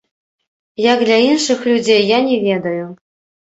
Як для іншых людзей, я не ведаю.